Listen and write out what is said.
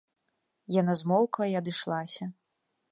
Яна змоўкла і адышлася.